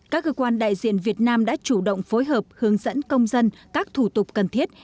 các cơ quan đại diện việt nam đã chủ động phối hợp hướng dẫn công dân các thủ tục cần thiết